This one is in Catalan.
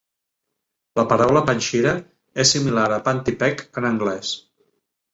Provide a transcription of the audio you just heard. La paraula Panchira és similar a panty peek en anglès.